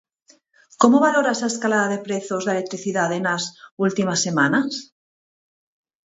Como valoras a escalada de prezos da electricidade nas últimas semanas?